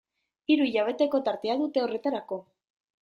Hiru hilabeteko tartea dute horretarako.